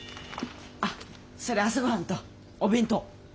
あっそれ朝ごはんとお弁当。